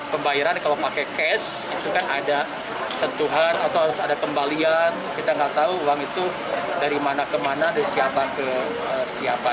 pembayaran kalau pakai cash itu kan ada sentuhan atau harus ada kembalian kita nggak tahu uang itu dari mana kemana dari siapa ke siapa